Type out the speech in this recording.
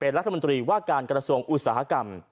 รัฐมนตรีว่าการกระทรวงอุตสาหกรรม